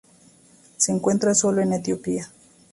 Se encuentra sólo en Etiopía.